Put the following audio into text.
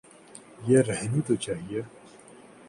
یہ رہنی تو چاہیے۔